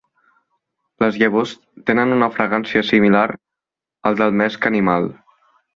Les llavors tenen una fragància similar al del mesc animal.